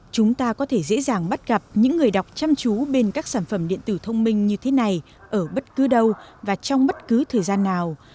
chúng ta có thể dễ dàng bắt gặp những người đọc chăm chú bên các sản phẩm điện tử thông minh như thế này ở bất cứ đâu và trong bất cứ thời gian nào